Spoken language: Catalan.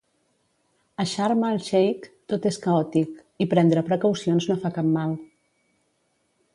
A Sharm al-Sheikh tot és caòtic, i prendre precaucions no fa cap mal.